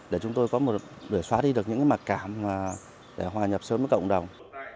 để chúng tôi có một đuổi xóa đi được những mặc cảm để hòa nhập sớm với cộng đồng